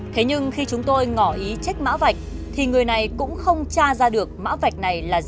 thế nhưng khi chúng tôi ngỏ ý chích mã vạch thì người này cũng không cha ra được mã vạch này là gì